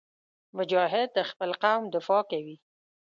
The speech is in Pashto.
مجاهد د خپل قوم دفاع کوي.